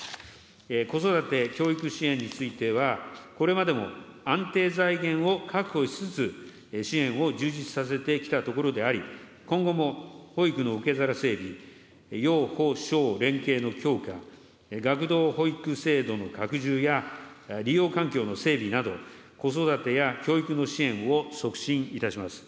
子育て・教育支援については、これまでも安定財源を確保しつつ、支援を充実させてきたところであり、今後も保育の受け皿整備、幼保小連携の強化、学童保育制度の拡充や、利用環境の整備など、子育てや教育の支援を促進いたします。